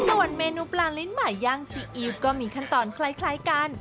ส่วนเมนูปลาลิ้นใหม่ย่างซีอิ๊วก็มีขั้นตอนคล้ายกัน